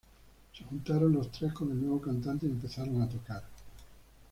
Se juntaron los tres con el nuevo cantante y empezaron a tocar.